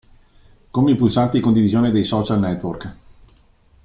Come i pulsanti di condivisione dei social network.